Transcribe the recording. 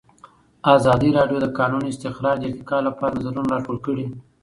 ازادي راډیو د د کانونو استخراج د ارتقا لپاره نظرونه راټول کړي.